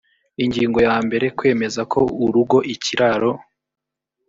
ingingo ya mbere kwemeza ko urugo ikiraro